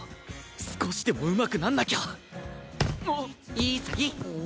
少しでもうまくなんなきゃいーさぎ！